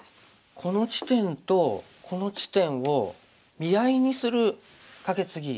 この地点とこの地点を見合いにするカケツギ。